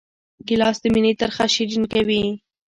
ګیلاس د مینې ترخه شیرین کوي.